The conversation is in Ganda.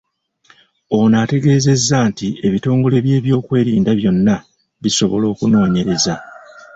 Ono ategeezezza nti ebitongole by’ebyokwerinda byonna bisobola okunoonyereza.